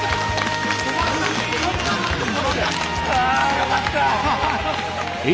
よかった！